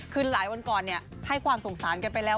คือหลายวันก่อนให้ความสงสารกันไปแล้ว